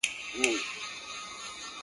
• ځکه چي دا په طبیعي لحاظ ممکنه خبره نه ده -